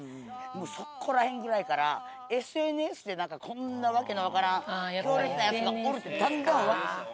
もうそこら辺ぐらいからＳＮＳで何かこんな訳のわからん強烈なやつがおるとだんだん。